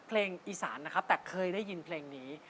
เพลงอีสานนะครับแต่เคยได้ยินเพลงนี้